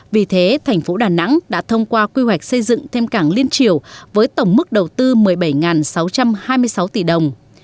vì thế thành phố đà nẵng đã thông qua quy hoạch xây dựng thêm cảng liên triều với tổng mức đầu tư một mươi bảy sáu trăm hai mươi sáu tỷ đồng